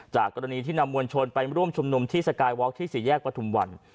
จากกรณีที่นำวัลชนไปร่วมชมนุมที่สกายวอร์คที่สิทธิแยกปทุมวัน